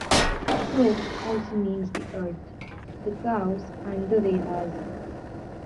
'Go' also means the earth, the cows and the Vedas.